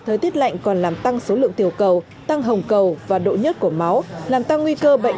nhiễm lạnh còn làm tăng số lượng tiểu cầu tăng hồng cầu và độ nhớt của máu làm tăng nguy cơ bệnh